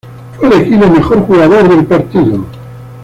Fue elegido "mejor jugador" del partido.